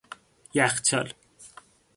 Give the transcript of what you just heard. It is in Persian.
یخچال